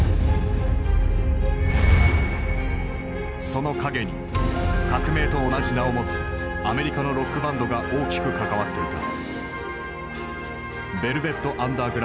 その陰に革命と同じ名を持つアメリカのロックバンドが大きく関わっていた。